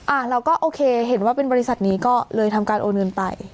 เราก็โอเคเห็นว่าเป็นบริษัทนี้ก็เลยทำการโอนเงินไป